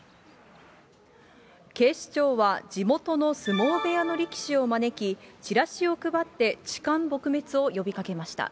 警視庁は、地元の相撲部屋の力士を招き、チラシを配って痴漢撲滅を呼びかけました。